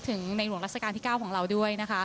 ถึงในหลวงรัฐกาศที่๙ของเราด้วย